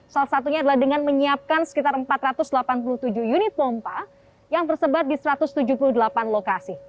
salah satunya adalah dengan menyiapkan sekitar empat ratus delapan puluh tujuh unit pompa yang tersebar di satu ratus tujuh puluh delapan lokasi